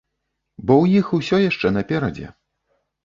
Бо ў іх усё яшчэ наперадзе.